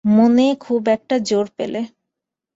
মনে খুব একটা জোর পেলে।